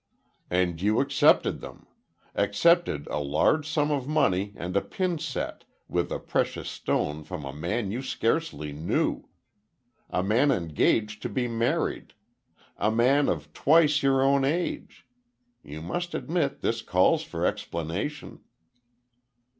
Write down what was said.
"And you accepted them! Accepted a large sum of money and a pin set with a precious stone from a man you scarcely knew! A man engaged to be married! A man of twice your own age! You must admit this calls for explanation."